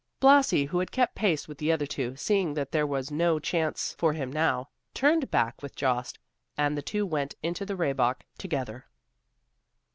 Blasi, who had kept pace with the other two, seeing that there was no chance for him now, turned back with Jost, and the two went into the Rehbock together.